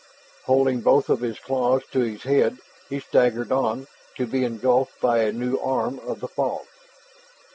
Holding both of his claws to his head, he staggered on, to be engulfed by a new arm of the fog.